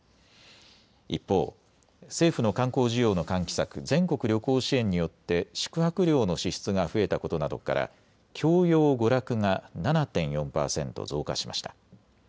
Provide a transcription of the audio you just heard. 一方、政府の観光需要の喚起策、全国旅行支援によって宿泊料の支出が増えたことなどから教養娯楽が７．４％増加しました。